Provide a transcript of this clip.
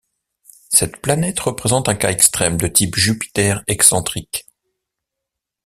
Cette planète représente un cas extrême de type Jupiter excentrique.